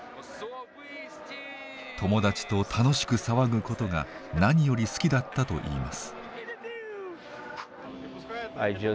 友達と楽しく騒ぐことが何より好きだったと言います。